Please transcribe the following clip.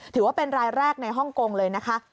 ถือว่าเป็นรายแรกในฮ่องกงเลยนะคะ